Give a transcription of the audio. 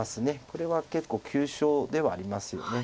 これは結構急所ではありますよね。